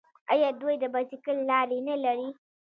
آیا دوی د بایسکل لارې نلري؟